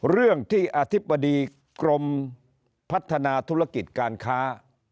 เรื่องที่อธิบดีกรมพัฒนาธุรกิจการค้า